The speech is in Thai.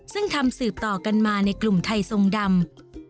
ซึ่งทำสืบต่อกันมาในกลุ่มไทยทรงดำ